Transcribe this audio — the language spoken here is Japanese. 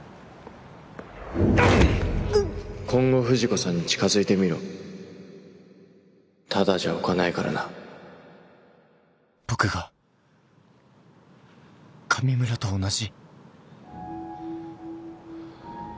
今後藤子さんに近づいてみろただじゃおかないからな僕が上村と同じ？